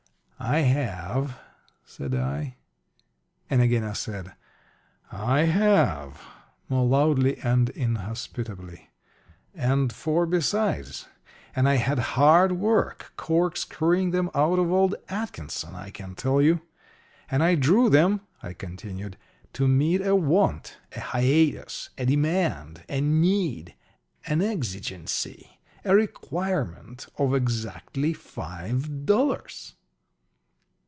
"I have," said I; and again I said, "I have," more loudly and inhospitably, "and four besides. And I had hard work corkscrewing them out of old Atkinson, I can tell you. And I drew them," I continued, "to meet a want a hiatus a demand a need an exigency a requirement of exactly five dollars."